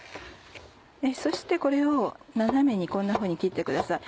そしてこれを斜めにこんなふうに切ってください。